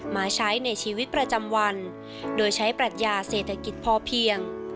มาใช้ในชีวิตประจำวันโดยใช้ปรัชญาเศรษฐกิจพอเพียง